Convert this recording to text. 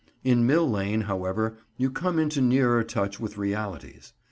In Mill Lane, however, you come into nearer touch with realities.